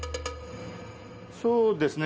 そうですね。